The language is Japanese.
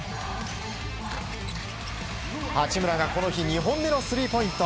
八村がこの日２本目のスリーポイント！